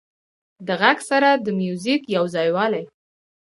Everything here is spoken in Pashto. د غږ سره د موزیک یو ځایوالی